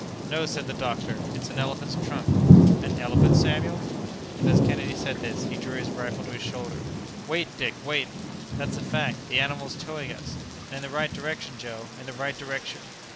"No," said the doctor, "it's an elephant's trunk!" "An elephant, Samuel?" And, as Kennedy said this, he drew his rifle to his shoulder. "Wait, Dick; wait!" "That's a fact! The animal's towing us!" "And in the right direction, Joe—in the right direction."